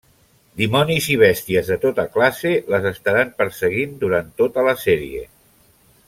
Dimonis i bèsties de tota classe les estaran perseguint durant tota la sèrie.